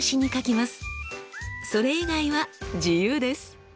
それ以外は自由です。